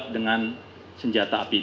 dengan senjata api yang